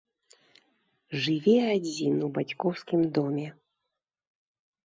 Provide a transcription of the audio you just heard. Жыве адзін у бацькоўскім доме.